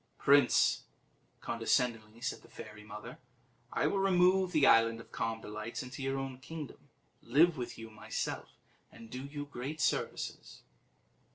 "Prince," condescendingly said the fairy mother, "I will remove the Island of Calm Delights into your own kingdom, live with you myself, and do you great services."